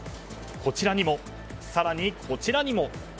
こちらにも、更にこちらにも。